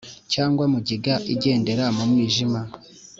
cyangwa mugiga igendera mu mwijima,